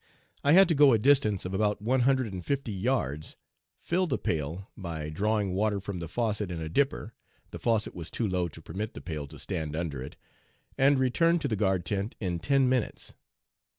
I had to go a distance of about one hundred and fifty yards, fill the pail by drawing water from the faucet in a dipper (the faucet was too low to permit the pail to stand under it), and return to the guard tent in ten minutes.